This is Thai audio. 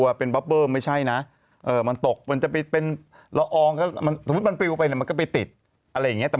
วันคุณแม่ไหนไหนไหนไหนแล้วคุณแม่ก็ประกาศหยุดไปเลยหา